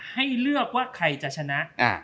ให้เลือกว่าใครจะชนะ